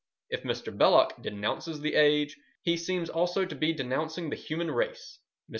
If Mr. Belloc denounces the age, he seems also to be denouncing the human race. Mr.